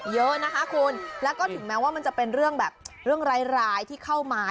เยอะนะคะคุณแล้วก็ถึงแม้ว่ามันจะเป็นเรื่องแบบเรื่องร้ายที่เข้ามา